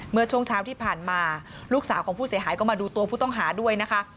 เมื่อช่วงเช้าที่ผ่านมาลูกสาวของผู้เสียหายก็มาดูตัวผู้ต้องหาด้วยนะคะ